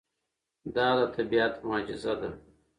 دا د طبیعت معجزه ده.